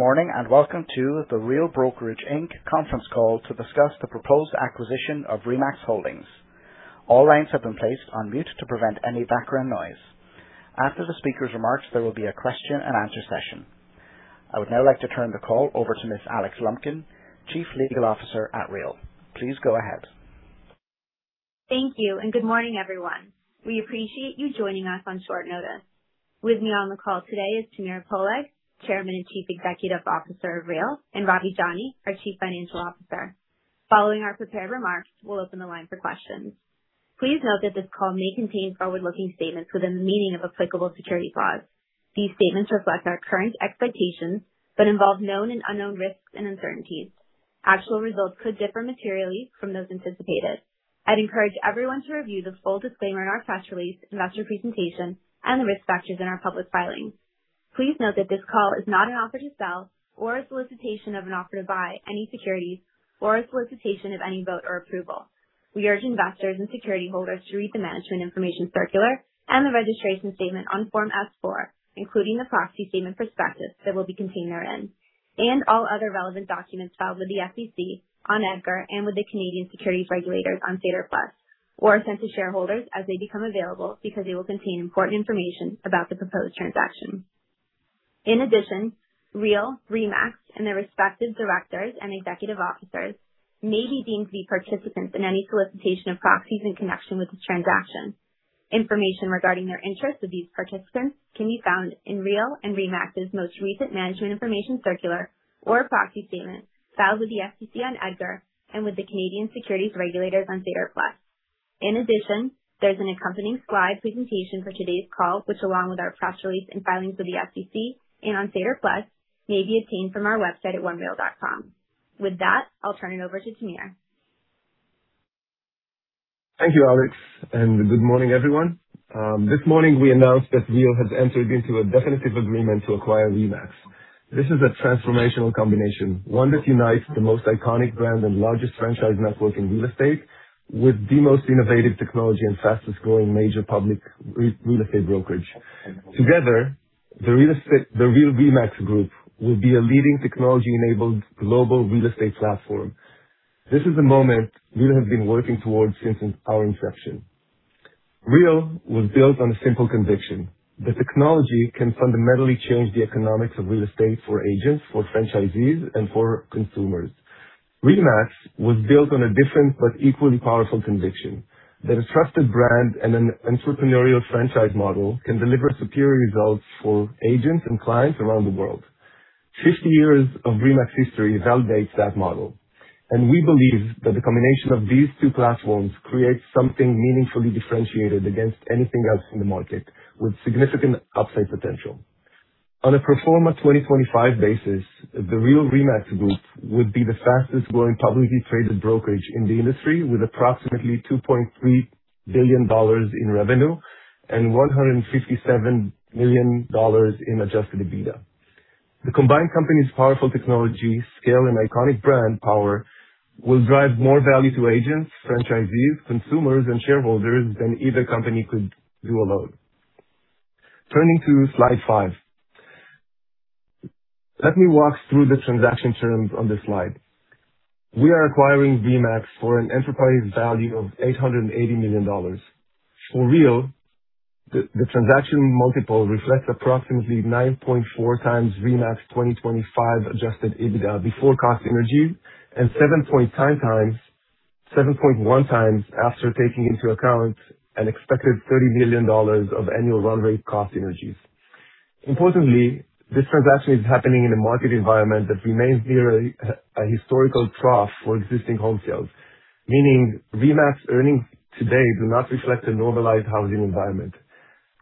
Morning, and welcome to the Real Brokerage Inc. conference call to discuss the proposed acquisition of RE/MAX Holdings. All lines have been placed on mute to prevent any background noise. After the speaker's remarks, there will be a question and answer session. I would now like to turn the call over to Miss Alexandra Lumpkin, Chief Legal Officer at Real. Please go ahead. Thank you and good morning, everyone. We appreciate you joining us on short notice. With me on the call today is Tamir Poleg, Chairman and Chief Executive Officer of Real, and Ravi Jani, our Chief Financial Officer. Following our prepared remarks, we'll open the line for questions. Please note that this call may contain forward-looking statements within the meaning of applicable securities laws. These statements reflect our current expectations, but involve known and unknown risks and uncertainties. Actual results could differ materially from those anticipated. I'd encourage everyone to review the full disclaimer in our press release, investor presentation, and the risk factors in our public filings. Please note that this call is not an offer to sell or a solicitation of an offer to buy any securities or a solicitation of any vote or approval. We urge investors and security holders to read the Management Information Circular and the registration statement on Form S-4, including the proxy statement/prospectus that will be contained therein, and all other relevant documents filed with the SEC on EDGAR and with the Canadian Securities Administrators on SEDAR+ or sent to shareholders as they become available because they will contain important information about the proposed transaction. Real, RE/MAX, and their respective directors and executive officers may be deemed to be participants in any solicitation of proxies in connection with this transaction. Information regarding their interest with these participants can be found in Real and RE/MAX's most recent Management Information Circular or proxy statement filed with the SEC on EDGAR and with the Canadian Securities Administrators on SEDAR+. In addition, there's an accompanying slide presentation for today's call, which, along with our press release and filings with the SEC and on SEDAR+, may be obtained from our website at onereal.com. With that, I'll turn it over to Tamir. Thank you, Alex. Good morning, everyone. This morning we announced that Real has entered into a definitive agreement to acquire RE/MAX. This is a transformational combination, one that unites the most iconic brand and largest franchise network in real estate with the most innovative technology and fastest-growing major public real estate brokerage. Together, the Real RE/MAX Group will be a leading technology-enabled global real estate platform. This is the moment Real have been working towards since its power inception. Real was built on a simple conviction that technology can fundamentally change the economics of real estate for agents, for franchisees, and for consumers. RE/MAX was built on a different but equally powerful conviction that a trusted brand and an entrepreneurial franchise model can deliver superior results for agents and clients around the world. 50 years of RE/MAX history validates that model, and we believe that the combination of these two platforms creates something meaningfully differentiated against anything else in the market with significant upside potential. On a pro forma 2025 basis, the Real RE/MAX Group would be the fastest-growing publicly traded brokerage in the industry, with approximately $2.3 billion in revenue and $157 million in adjusted EBITDA. The combined company's powerful technology, scale, and iconic brand power will drive more value to agents, franchisees, consumers, and shareholders than either company could do alone. Turning to slide five. Let me walk through the transaction terms on this slide. We are acquiring RE/MAX for an enterprise value of $880 million. For Real, the transaction multiple reflects approximately 9.4x RE/MAX 2025 Adjusted EBITDA before cost synergies and 7.1x after taking into account an expected $30 million of annual run-rate cost synergies. Importantly, this transaction is happening in a market environment that remains near a historical trough for existing home sales, meaning RE/MAX earnings today do not reflect a normalized housing environment.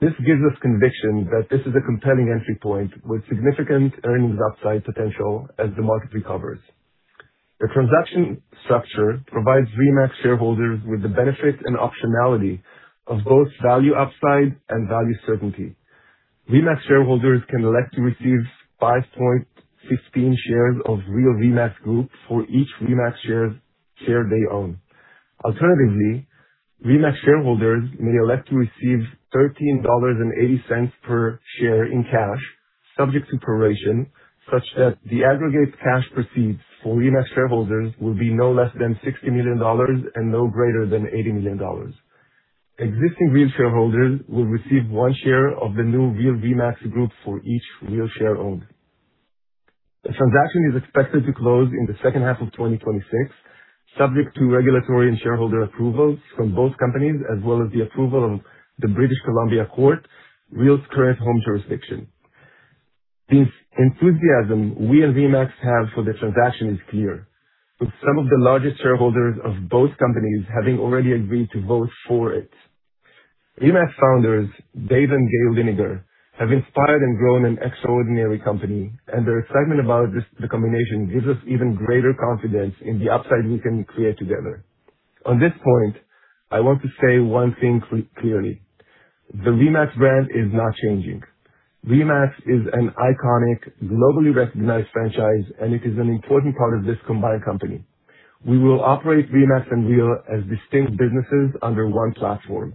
This gives us conviction that this is a compelling entry point with significant earnings upside potential as the market recovers. The transaction structure provides RE/MAX shareholders with the benefit and optionality of both value upside and value certainty. RE/MAX shareholders can elect to receive 5.15 shares of Real RE/MAX Group for each RE/MAX share they own. Alternatively, RE/MAX shareholders may elect to receive $13.80 per share in cash, subject to proration, such that the aggregate cash proceeds for RE/MAX shareholders will be no less than $60 million and no greater than $80 million. Existing Real shareholders will receive one share of the new Real RE/MAX Group for each Real share owned. The transaction is expected to close in the second half of 2026, subject to regulatory and shareholder approvals from both companies, as well as the approval of the British Columbia Court, Real's current home jurisdiction. The enthusiasm Real RE/MAX have for the transaction is clear, with some of the largest shareholders of both companies having already agreed to vote for it. RE/MAX founders Dave and Gail Liniger have inspired and grown an extraordinary company, and their excitement about this, the combination, gives us even greater confidence in the upside we can create together. On this point, I want to say one thing clearly. The RE/MAX brand is not changing. RE/MAX is an iconic, globally recognized franchise. It is an important part of this combined company. We will operate RE/MAX and Real as distinct businesses under one platform.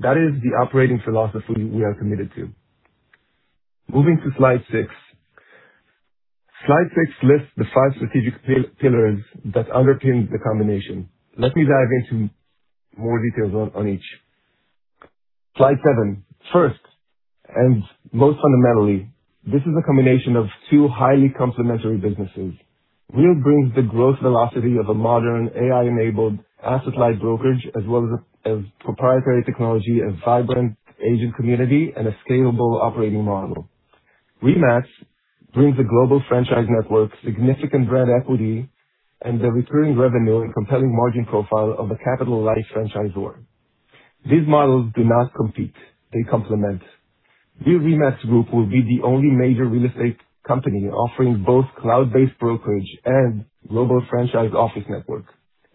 That is the operating philosophy we are committed to. Moving to slide six. Slide six lists the five strategic pillars that underpin the combination. Let me dive into more details on each. Slide seven. First, most fundamentally, this is a combination of two highly complementary businesses. Real brings the growth velocity of a modern AI-enabled asset-light brokerage as proprietary technology, a vibrant agent community, and a scalable operating model. RE/MAX brings a global franchise network, significant brand equity, and the recurring revenue and compelling margin profile of a capital-light franchisor. These models do not compete, they complement. The Real RE/MAX Group will be the only major real estate company offering both cloud-based brokerage and global franchise office network.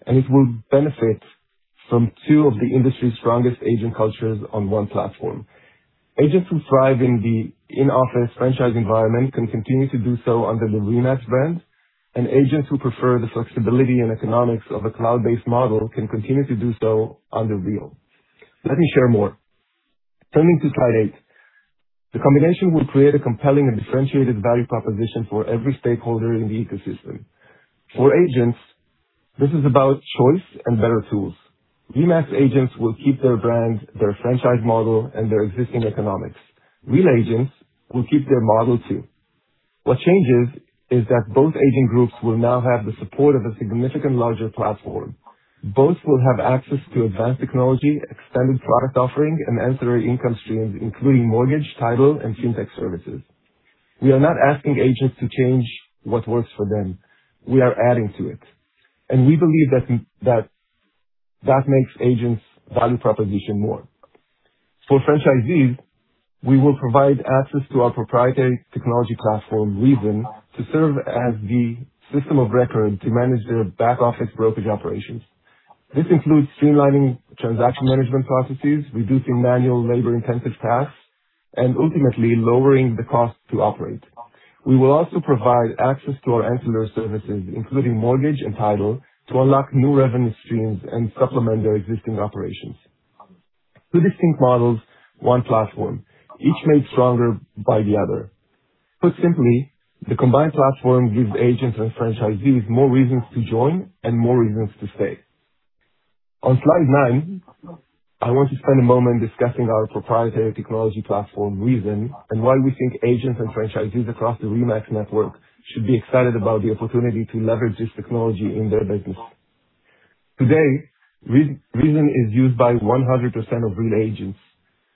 It will benefit from two of the industry's strongest agent cultures on one platform. Agents who thrive in the in-office franchise environment can continue to do so under the RE/MAX brand. Agents who prefer the flexibility and economics of a cloud-based model can continue to do so under Real. Let me share more. Turning to slide eight. The combination will create a compelling and differentiated value proposition for every stakeholder in the ecosystem. For agents, this is about choice and better tools. RE/MAX agents will keep their brand, their franchise model, and their existing economics. Real agents will keep their model too. What changes is that both agent groups will now have the support of a significant larger platform. Both will have access to advanced technology, extended product offering, and ancillary income streams, including mortgage, title, and Fintech services. We are not asking agents to change what works for them. We are adding to it. We believe that that makes agents' value proposition more. For franchisees, we will provide access to our proprietary technology platform, reZEN, to serve as the system of record to manage their back office brokerage operations. This includes streamlining transaction management processes, reducing manual labor-intensive tasks, and ultimately lowering the cost to operate. We will also provide access to our ancillary services, including mortgage and title, to unlock new revenue streams and supplement their existing operations. Two distinct models, one platform, each made stronger by the other. Put simply, the combined platform gives agents and franchisees more reasons to join and more reasons to stay. On slide nine, I want to spend a moment discussing our proprietary technology platform, reZEN, and why we think agents and franchisees across the RE/MAX network should be excited about the opportunity to leverage this technology in their business. Today, reZEN is used by 100% of Real agents.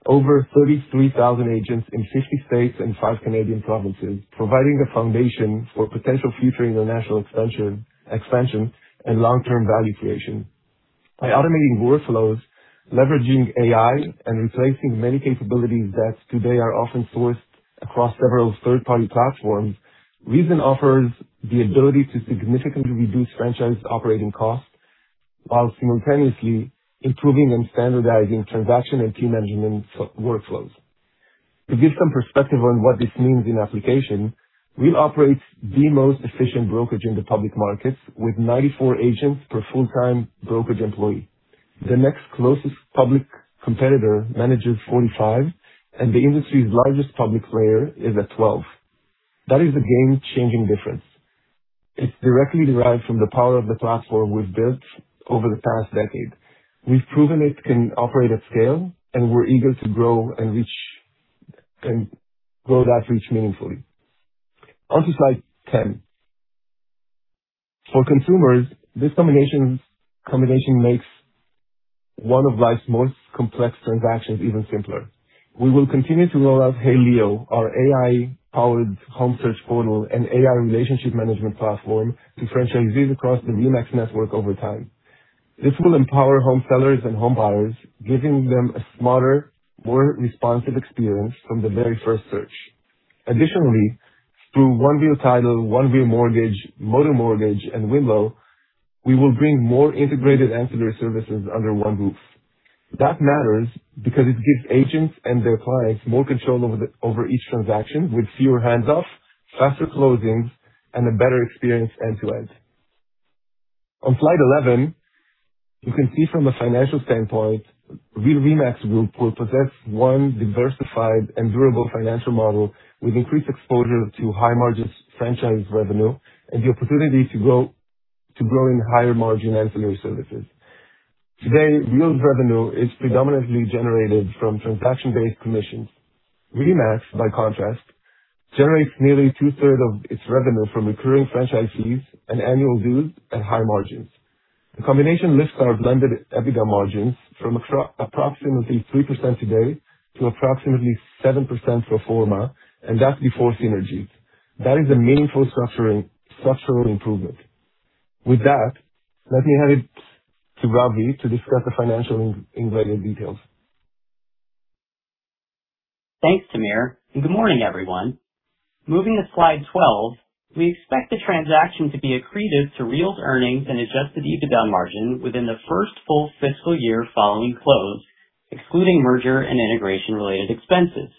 Over 33,000 agents in 50 states and five Canadian provinces, providing the foundation for potential future international expansion and long-term value creation. By automating workflows, leveraging AI, and replacing many capabilities that today are often sourced across several third-party platforms, reZEN offers the ability to significantly reduce franchise operating costs while simultaneously improving and standardizing transaction and team management workflows. To give some perspective on what this means in application, Real operates the most efficient brokerage in the public markets with 94 agents per full-time brokerage employee. The next closest public competitor manages 45, and the industry's largest public player is at 12. That is a game-changing difference. It's directly derived from the power of the platform we've built over the past decade. We've proven it can operate at scale, we're eager to grow and grow that reach meaningfully. Onto slide 10. For consumers, this combination makes one of life's most complex transactions even simpler. We will continue to roll out HeyLeo, our AI-powered home search portal and AI relationship management platform, to franchisees across the RE/MAX network over time. This will empower home sellers and home buyers, giving them a smarter, more responsive experience from the very first search. Through One Real Title, One Real Mortgage, Motto Mortgage and wemlo, we will bring more integrated ancillary services under one roof. That matters because it gives agents and their clients more control over each transaction with fewer hands-off, faster closings, and a better experience end to end. On slide 11, you can see from a financial standpoint, the RE/MAX Group will possess one diversified and durable financial model with increased exposure to high margins franchise revenue and the opportunity to grow in higher margin ancillary services. Today, Real's revenue is predominantly generated from transaction-based commissions. RE/MAX, by contrast, generates nearly 2/3 of its revenue from recurring franchise fees and annual dues at high margins. The combination lifts our blended EBITDA margins from approximately 3% today to approximately 7% pro forma, and that's before synergies. That is a meaningful structural improvement. With that, let me hand it to Ravi to discuss the financial in greater details. Thanks, Tamir Poleg. Good morning, everyone. Moving to slide 12. We expect the transaction to be accretive to Real's earnings and Adjusted EBITDA margin within the 1st full fiscal year following close, excluding merger and integration related expenses.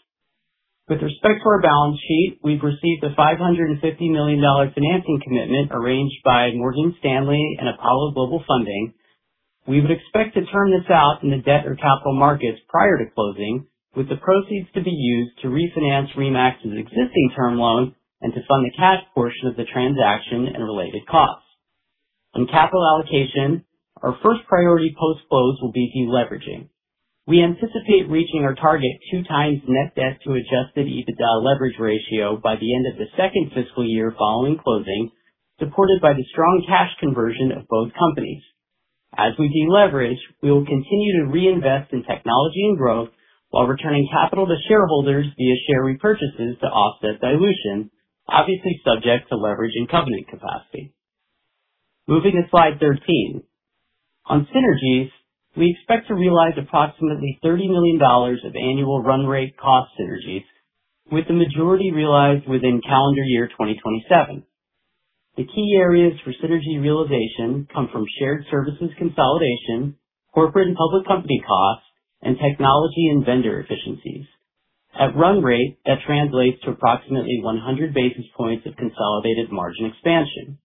With respect to our balance sheet, we've received a $550 million financing commitment arranged by Morgan Stanley and Apollo Global Funding. We would expect to turn this out in the debt or capital markets prior to closing, with the proceeds to be used to refinance RE/MAX's existing term loan and to fund the cash portion of the transaction and related costs. On capital allocation, our first priority post-close will be de-leveraging. We anticipate reaching our target 2x net debt to adjusted EBITDA leverage ratio by the end of the second fiscal year following closing, supported by the strong cash conversion of both companies. As we de-leverage, we will continue to reinvest in technology and growth while returning capital to shareholders via share repurchases to offset dilution, obviously subject to leverage and covenant capacity. Moving to slide 13. On synergies, we expect to realize approximately $30 million of annual run-rate cost synergies, with the majority realized within calendar year 2027. The key areas for synergy realization come from shared services consolidation, corporate and public company costs, and technology and vendor efficiencies. At run rate, that translates to approximately 100 basis points of consolidated margin expansion.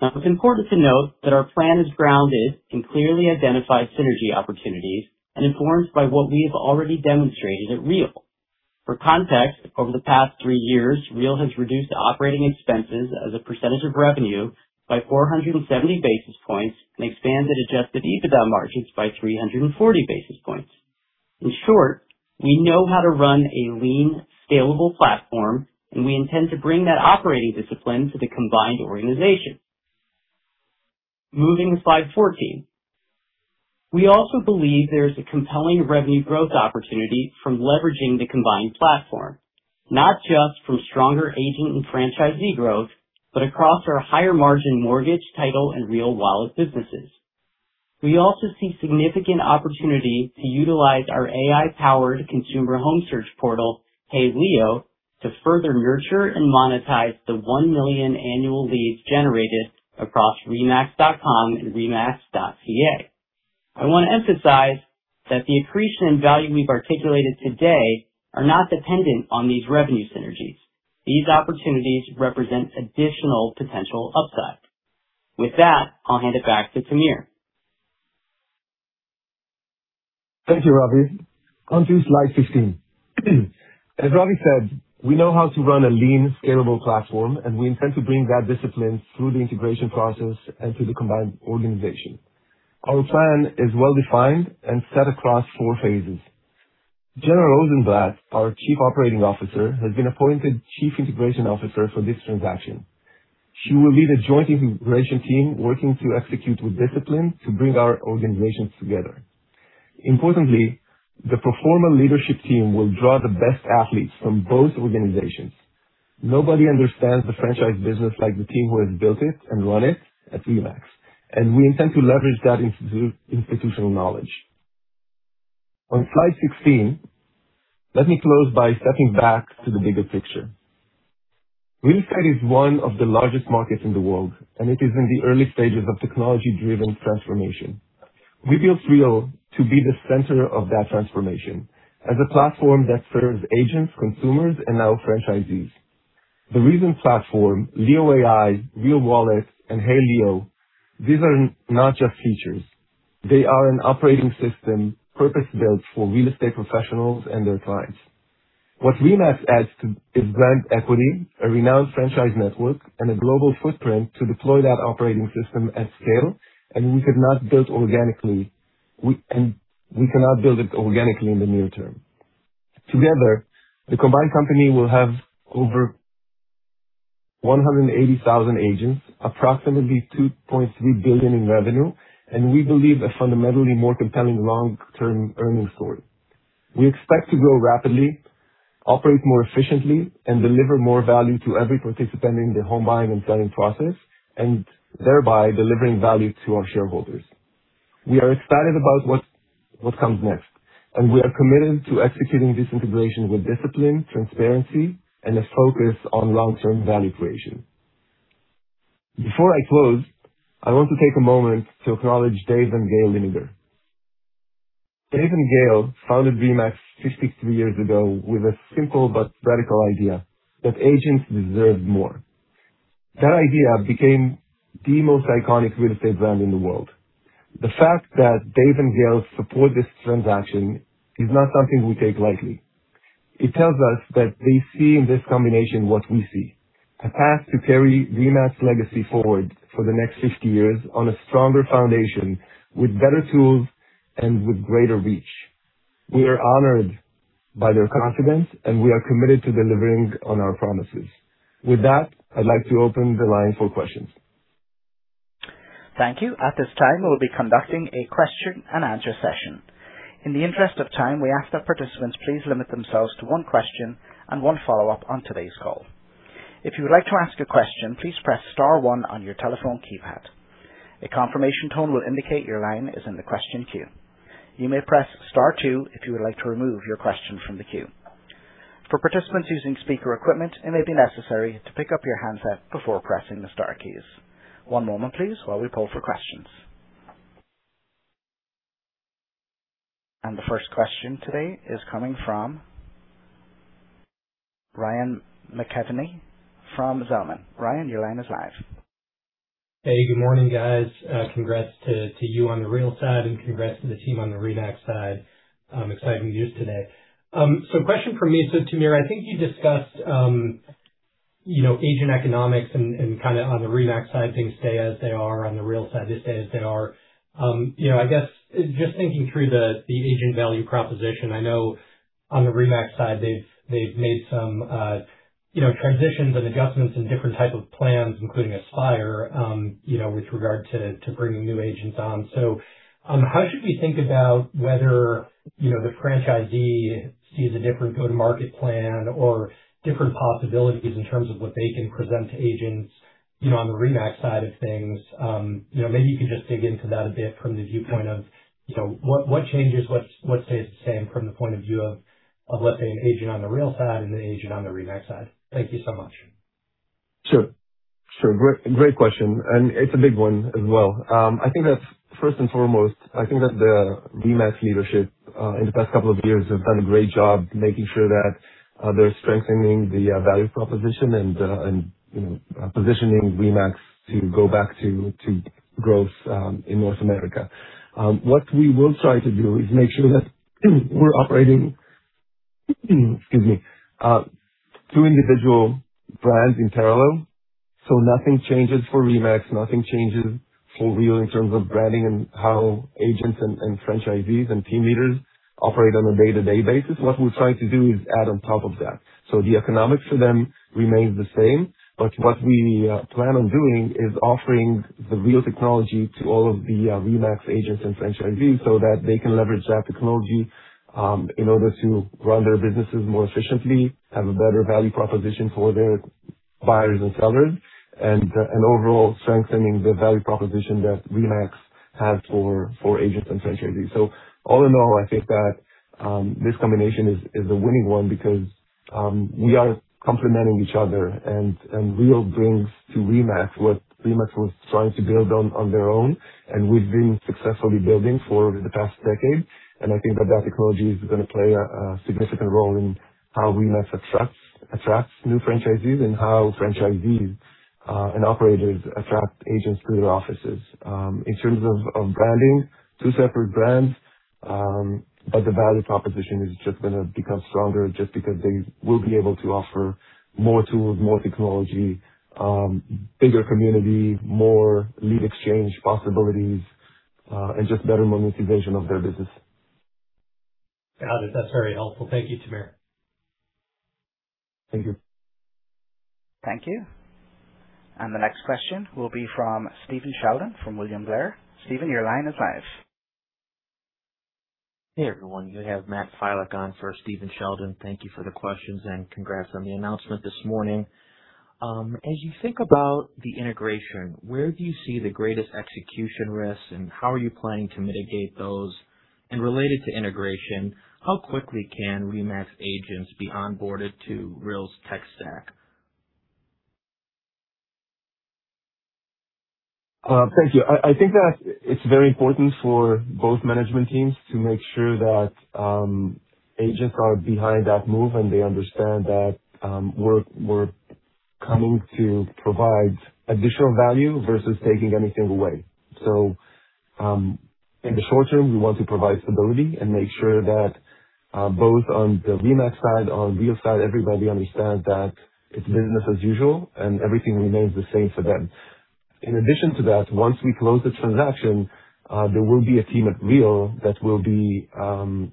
Now, it's important to note that our plan is grounded in clearly identified synergy opportunities and informed by what we have already demonstrated at Real. For context, over the past three years, Real has reduced operating expenses as a percentage of revenue by 470 basis points and expanded adjusted EBITDA margins by 340 basis points. In short, we know how to run a lean, scalable platform, and we intend to bring that operating discipline to the combined organization. Moving to slide 14. We also believe there's a compelling revenue growth opportunity from leveraging the combined platform, not just from stronger agent and franchisee growth, but across our higher margin mortgage, title, and RealWallet businesses. We also see significant opportunity to utilize our AI-powered consumer home search portal, HeyLeo, to further nurture and monetize the 1 million annual leads generated across remax.com and remax.ca. I wanna emphasize that the accretion value we've articulated today are not dependent on these revenue synergies. These opportunities represent additional potential upside. With that, I'll hand it back to Tamir Poleg. Thank you, Ravi. On to slide 15. As Ravi said, we know how to run a lean, scalable platform. We intend to bring that discipline through the integration process and to the combined organization. Our plan is well-defined and set across four phases. Jenna Rozenblat, our Chief Operating Officer, has been appointed Chief Integration Officer for this transaction. She will lead a joint integration team working to execute with discipline to bring our organizations together. Importantly, the pro forma leadership team will draw the best athletes from both organizations. Nobody understands the franchise business like the team who has built it and run it at RE/MAX. We intend to leverage that institutional knowledge. On slide 16, let me close by stepping back to the bigger picture. Real estate is one of the largest markets in the world. It is in the early stages of technology-driven transformation. We built Real to be the center of that transformation as a platform that serves agents, consumers, and now franchisees. The reZEN platform, Leo AI, RealWallet, and HeyLeo, these are not just features. They are an operating system purpose-built for real estate professionals and their clients. What RE/MAX adds to is brand equity, a renowned franchise network, and a global footprint to deploy that operating system at scale. We could not build organically. We cannot build it organically in the near term. Together, the combined company will have over 180,000 agents, approximately $2.3 billion in revenue, and we believe a fundamentally more compelling long-term earning story. We expect to grow rapidly, operate more efficiently, and deliver more value to every participant in the home buying and selling process, and thereby delivering value to our shareholders. We are excited about what comes next. We are committed to executing this integration with discipline, transparency, and a focus on long-term value creation. Before I close, I want to take a moment to acknowledge Dave and Gail Liniger. Dave and Gail founded RE/MAX 53 years ago with a simple but radical idea that agents deserved more. That idea became the most iconic real estate brand in the world. The fact that Dave and Gail support this transaction is not something we take lightly. It tells us that they see in this combination what we see, a path to carry RE/MAX legacy forward for the next 50 years on a stronger foundation with better tools and with greater reach. We are honored by their confidence. We are committed to delivering on our promises. With that, I'd like to open the line for questions. Thank you. At this time, we'll be conducting a question and answer session. In the interest of time, we ask that participants please limit themselves to one question and one follow-up on today's call. If you would like to ask a question, please press star one on your telephone keypad. A confirmation tone will indicate your line is in the question queue. You may press star two if you would like to remove your question from the queue. For participants using speaker equipment, it may be necessary to pick up your handset before pressing the star keys. One moment please while we poll for questions. The first question today is coming from Ryan McKeveny from Zelman. Ryan, your line is live. Hey, good morning, guys. Congrats to you on the Real side and congrats to the team on the RE/MAX side. Exciting news today. Question for me. Tamir Poleg, I think you discussed, you know, agent economics and kinda on the RE/MAX side, things stay as they are. On the Real side, they stay as they are. You know, I guess just thinking through the agent value proposition. I know on the RE/MAX side, they've made some, you know, transitions and adjustments and different type of plans, including Aspire, you know, with regard to bringing new agents on. How should we think about whether, you know, the franchisee sees a different go-to-market plan or different possibilities in terms of what they can present to agents, you know, on the RE/MAX side of things? You know, maybe you can just dig into that a bit from the viewpoint of, you know, what changes, what's, what stays the same from the point of view of let's say an agent on the Real side and the agent on the RE/MAX side. Thank you so much. Sure. Sure. Great, great question, and it's a big one as well. I think that first and foremost, I think that the RE/MAX leadership in the past couple of years have done a great job making sure that they're strengthening the value proposition and, you know, positioning RE/MAX to go back to growth in North America. What we will try to do is make sure that we're operating, excuse me, two individual brands in parallel, so nothing changes for RE/MAX, nothing changes for Real in terms of branding and how agents and franchisees and team leaders operate on a day-to-day basis. What we're trying to do is add on top of that. The economics for them remains the same, but what we plan on doing is offering the Real technology to all of the RE/MAX agents and franchisees so that they can leverage that technology in order to run their businesses more efficiently, have a better value proposition for their buyers and sellers, and overall strengthening the value proposition that RE/MAX has for agents and franchisees. All in all, I think that this combination is a winning one because we are complementing each other and Real brings to RE/MAX what RE/MAX was trying to build on their own, and we've been successfully building for the past decade. I think that that technology is gonna play a significant role in how RE/MAX attracts new franchisees and how franchisees and operators attract agents to their offices. In terms of branding, two separate brands, but the value proposition is just gonna become stronger just because they will be able to offer more tools, more technology, bigger community, more lead exchange possibilities, and just better monetization of their business. Got it. That's very helpful. Thank you, Tamir. Thank you. Thank you. The next question will be from Stephen Sheldon from William Blair. Stephen, your line is live. Hey, everyone. You have Matt Filek on for Stephen Sheldon. Thank you for the questions and congrats on the announcement this morning. Um, as you think about the integration, where do you see the greatest execution risks, and how are you planning to mitigate those? And related to integration, how quickly can RE/MAX agents be onboarded to Real's tech stack? Uh, thank you. I think that it's very important for both management teams to make sure that, um, agents are behind that move and they understand that, um, we're coming to provide additional value versus taking anything away. So, um, in the short term, we want to provide stability and make sure that, uh, both on the RE/MAX side, on Real side, everybody understands that it's business as usual and everything remains the same for them. In addition to that, once we close the transaction, uh, there will be a team at Real that will be, um,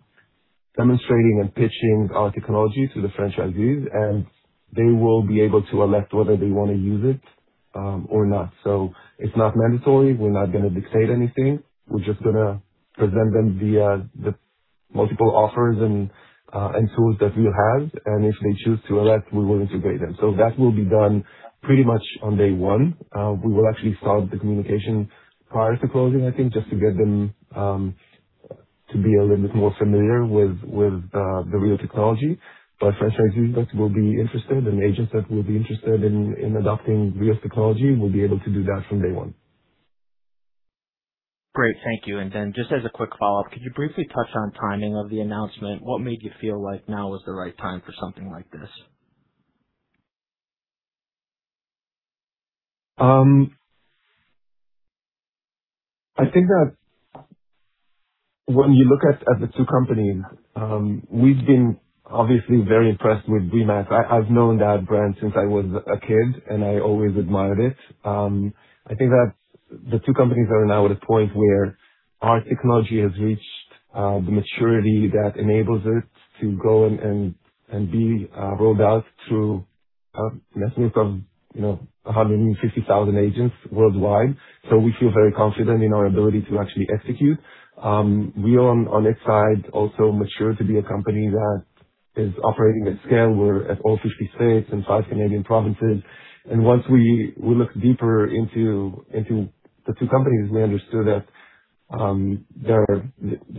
demonstrating and pitching our technology to the franchisees, and they will be able to elect whether they wanna use it, um, or not. So it's not mandatory. We're not gonna dictate anything. We're just gonna present them the multiple offers and tools that we have, and if they choose to elect, we will integrate them. That will be done pretty much on day one. We will actually start the communication prior to closing, I think, just to get them to be a little bit more familiar with the Real technology. Franchisees that will be interested and agents that will be interested in adopting Real's technology will be able to do that from day one. Great. Thank you. And then just as a quick follow-up, could you briefly touch on timing of the announcement? What made you feel like now was the right time for something like this? I think that when you look at the two companies, we've been obviously very impressed with RE/MAX. I've known that brand since I was a kid, and I always admired it. I think that the two companies are now at a point where our technology has reached the maturity that enables it to go and be rolled out to a network of, you know, 150,000 agents worldwide. We feel very confident in our ability to actually execute. We on its side also mature to be a company that is operating at scale. We're at all 50 states and five Canadian provinces. Once we look deeper into the two companies, we understood that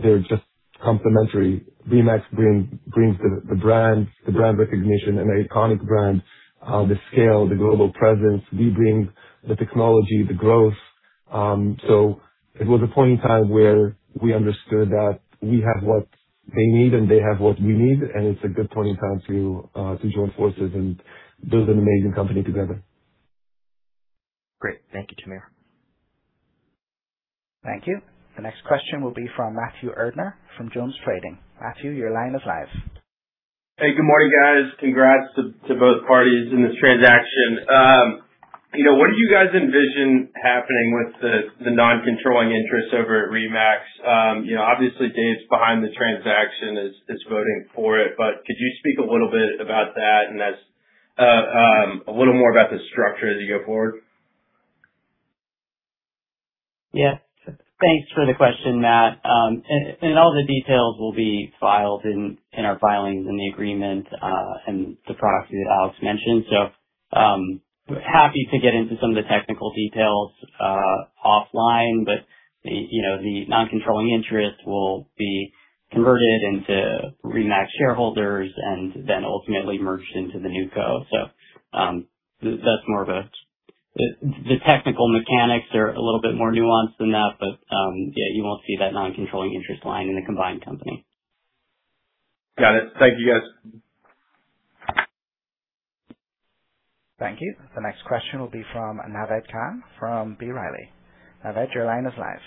they're just Complementary. RE/MAX brings the brand, the brand recognition, an iconic brand, the scale, the global presence. We bring the technology, the growth. It was a point in time where we understood that we have what they need, and they have what we need, and it's a good point in time to join forces and build an amazing company together. Great. Thank you, Tamir. Thank you. The next question will be from Matthew Erdner from Jones Trading. Matthew, your line is live. Hey, good morning, guys. Congrats to both parties in this transaction. You know, what do you guys envision happening with the non-controlling interest over at RE/MAX? You know, obviously Dave's behind the transaction, is voting for it, but could you speak a little bit about that and that's a little more about the structure as you go forward? Yeah. Thanks for the question, Matt. And all the details will be filed in our filings in the agreement and the proxy that Alex mentioned. Happy to get into some of the technical details offline, but, you know, the non-controlling interest will be converted into RE/MAX shareholders and then ultimately merged into the new co. The technical mechanics are a little bit more nuanced than that, but yeah, you won't see that non-controlling interest line in the combined company. Got it. Thank you, guys. Thank you. The next question will be from Naved Khan from B. Riley. Naved, your line is live.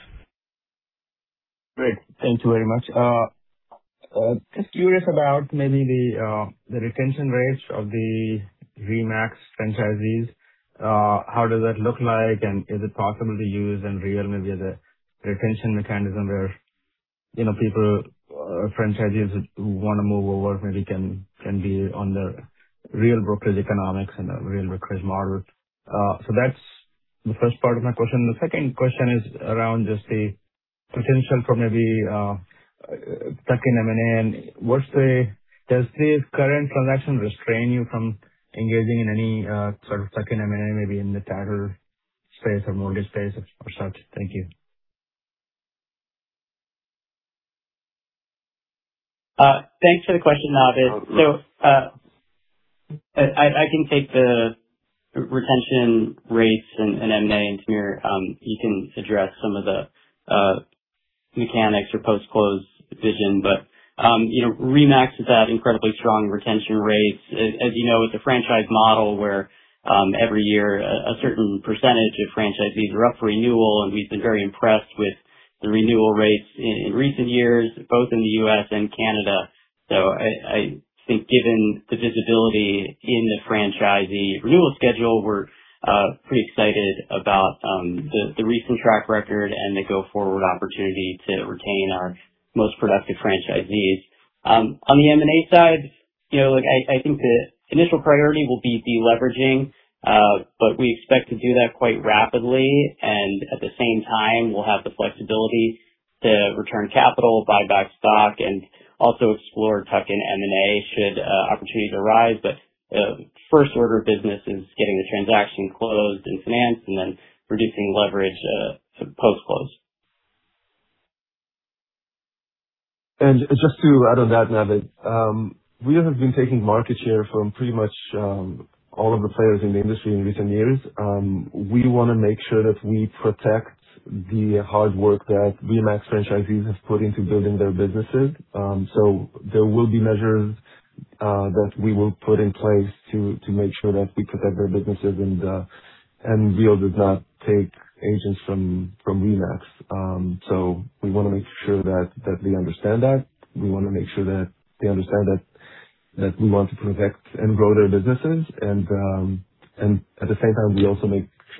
Great. Thank you very much. Just curious about maybe the retention rates of the RE/MAX franchisees. How does that look like, and is it possible to use Real maybe as a retention mechanism where, you know, people or franchisees who wanna move over maybe can be on the Real brokerage economics and the Real brokerage model? So that's the first part of my question. The second question is around just the potential for maybe tuck-in M&A. Does this current transaction restrain you from engaging in any, sort of tuck-in M&A, maybe in the title space or mortgage space or such? Thank you. Thanks for the question, Naved. I can take the retention rates and M&A, and Tamir, you can address some of the mechanics or post-close vision. You know, RE/MAX has had incredibly strong retention rates. As you know, it's a franchise model where every year a certain percentage of franchisees are up for renewal, and we've been very impressed with the renewal rates in recent years, both in the U.S. and Canada. I think given the visibility in the franchisee renewal schedule, we're pretty excited about the recent track record and the go-forward opportunity to retain our most productive franchisees. On the M&A side, you know, look, I think the initial priority will be de-leveraging, but we expect to do that quite rapidly, and at the same time we'll have the flexibility to return capital, buy back stock, and also explore tuck-in M&A should opportunities arise. First order of business is getting the transaction closed and financed, and then reducing leverage post-close. Just to add on that, Naved, we have been taking market share from pretty much all of the players in the industry in recent years. We wanna make sure that we protect the hard work that RE/MAX franchisees have put into building their businesses. There will be measures that we will put in place to make sure that we protect their businesses and Real does not take agents from RE/MAX. We wanna make sure that they understand that. We wanna make sure that they understand that we want to protect and grow their businesses and at the same time, we also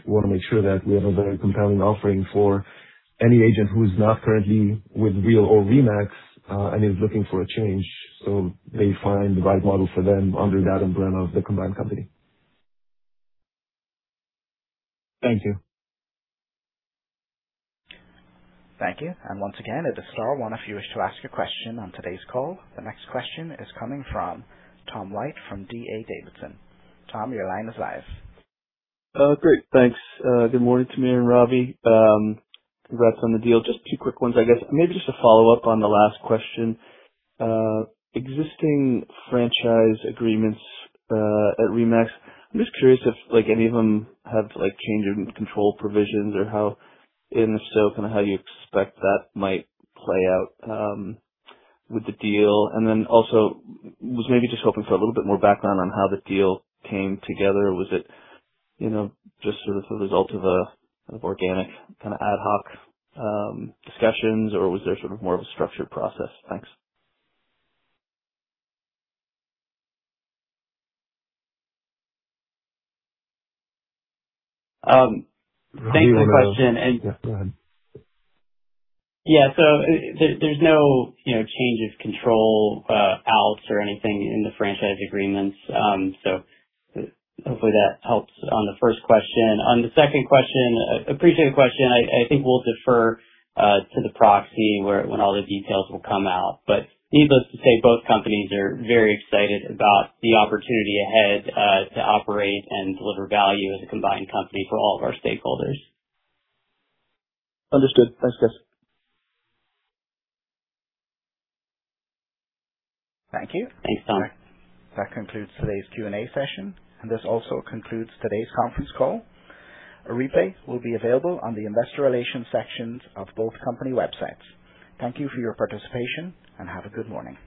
wanna make sure that we have a very compelling offering for any agent who's not currently with Real or RE/MAX, and is looking for a change, so they find the right model for them under the umbrella of the combined company. Thank you. Thank you. Once again, it is star one if you wish to ask a question on today's call. The next question is coming from Tom White from D.A. Davidson. Tom, your line is live. Great. Thanks. Good morning, Tamir and Ravi. Congrats on the deal. Just two quick ones, I guess. Maybe just to follow up on the last question. Existing franchise agreements at RE/MAX, I'm just curious if, like, any of them have, like, change in control provisions or how, and if so, kinda how you expect that might play out with the deal. Also was maybe just hoping for a little bit more background on how the deal came together. Was it, you know, just sort of the result of organic, kinda ad hoc discussions, or was there sort of more of a structured process? Thanks. Thanks for the question. Ravi will. Yeah, go ahead. Yeah. There's no, you know, change of control outs or anything in the franchise agreements. Hopefully that helps on the first question. On the second question, appreciate the question. I think we'll defer to the proxy where, when all the details will come out. Needless to say, both companies are very excited about the opportunity ahead to operate and deliver value as a combined company for all of our stakeholders. Understood. Thanks, guys. Thank you. Thanks, Tom. That concludes today's Q&A session. This also concludes today's conference call. A replay will be available on the investor relations sections of both company websites. Thank you for your participation. Have a good morning.